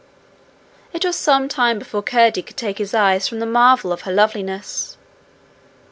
It was some time before Curdie could take his eyes from the marvel of her loveliness.